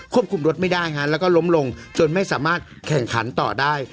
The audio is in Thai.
คุมรถไม่ได้ฮะแล้วก็ล้มลงจนไม่สามารถแข่งขันต่อได้